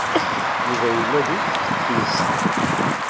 Yuba yella deg teftist.